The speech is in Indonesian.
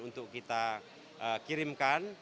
untuk kita kirimkan